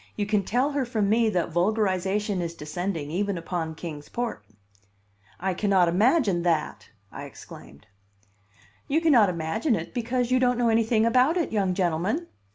You can tell her from me that vulgarization is descending, even upon Kings Port." "I cannot imagine that!" I exclaimed. "You cannot imagine it because you don't know anything about it, young gentleman!